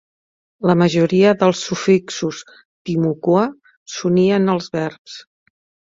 La majoria dels sufixos Timucua s'unien als verbs.